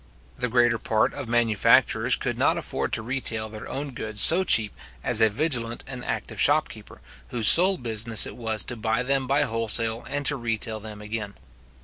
The greater part of manufacturers could not afford to retail their own goods so cheap as a vigilant and active shopkeeper, whose sole business it was to buy them by wholesale and to retail them again.